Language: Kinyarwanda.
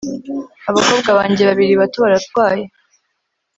abakobwa banjye babiri bato baratwaye